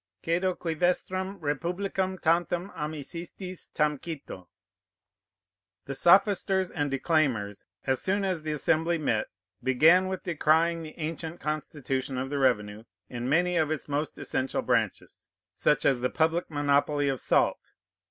Cedo quî vestram rempublicam tantam amisistis tam cito? The sophisters and declaimers, as soon as the Assembly met, began with decrying the ancient constitution of the revenue in many of its most essential branches, such as the public monopoly of salt.